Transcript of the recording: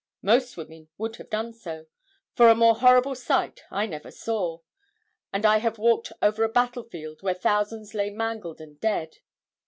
Most women would have done so, for a more horrible sight I never saw, and I have walked over a battlefield where thousands lay mangled and dead.